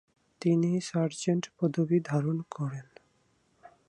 তিনি সার্জেন্ট পদবী ধারণ করেন।